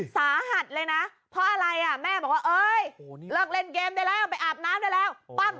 สาหัสเลยนะเพราะอะไรอ่ะแม่บอกว่าเอ้ยเลิกเล่นเกมได้แล้วไปอาบน้ำได้แล้วปั้ง